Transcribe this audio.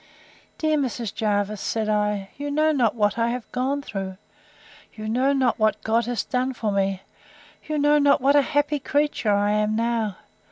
Dear Mrs. Jervis, said I, you know not what I have gone through! You know not what God has done for me! You know not what a happy creature I am now!